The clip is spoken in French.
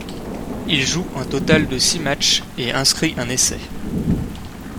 Il joue un total de six matches et inscrit un essai.